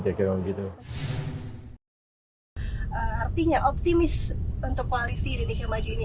artinya optimis untuk koalisi indonesia maju ini